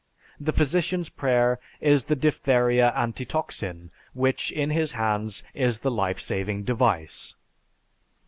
The physician's prayer is the diphtheria antitoxin, which in his hands is the life saving device.